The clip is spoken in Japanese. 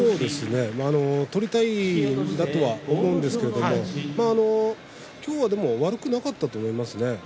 取りたいんだとは思うんですけれども今日は悪くなかったですよ。